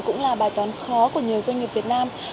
cũng là bài toán khó của nhiều doanh nghiệp việt nam